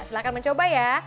silahkan mencoba ya